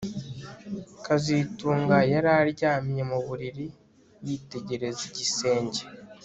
kazitunga yari aryamye mu buriri yitegereza igisenge